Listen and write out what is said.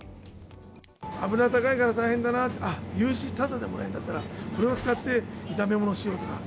油高いから大変だなって、あっ、牛脂ただでもらえるんだったら、これを使って炒め物しようとか。